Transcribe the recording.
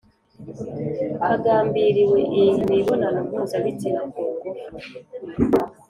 hagambiriwe imibonano mpuzabitsina kungufu